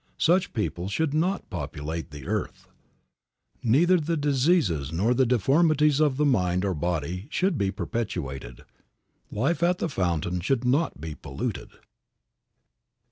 Such people should not populate the earth. Neither the diseases nor the deformities of the mind or body should be perpetuated. Life at the fountain should not be polluted.